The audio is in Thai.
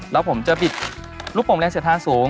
แล้วผมจะปิดลูกผมแรงเสียทางสูง